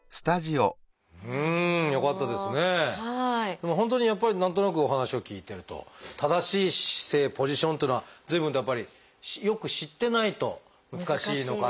でも本当にやっぱり何となくお話を聞いてると正しい姿勢ポジションっていうのは随分とやっぱりよく知ってないと難しいのかなという感じがしましたね。